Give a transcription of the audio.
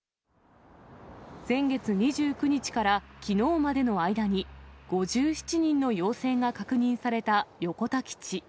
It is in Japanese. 先月２９日からきのうまでの間に、５７人の陽性が確認された横田基地。